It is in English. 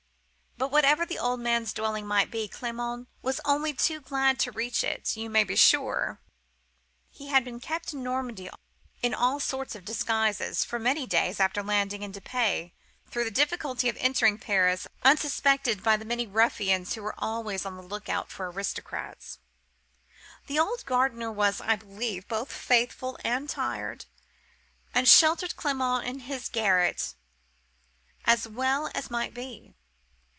But whatever the old man's dwelling might be, Clement was only too glad to reach it, you may be sure, he had been kept in Normandy, in all sorts of disguises, for many days after landing in Dieppe, through the difficulty of entering Paris unsuspected by the many ruffians who were always on the look out for aristocrats. "The old gardener was, I believe, both faithful and tried, and sheltered Clement in his garret as well as might be.